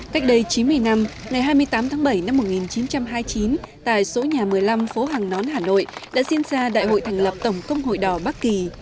cách đây chín mươi năm ngày hai mươi tám tháng bảy năm một nghìn chín trăm hai mươi chín tại số nhà một mươi năm phố hàng nón hà nội đã diễn ra đại hội thành lập tổng công hội đỏ bắc kỳ